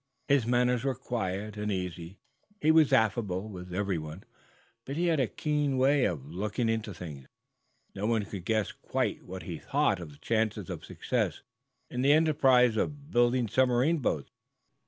His manners were quiet and easy. He was affable with everyone, but he had a keen way of looking into things. No one could guess quite what he thought of the chances of success in the enterprise of building submarine boats.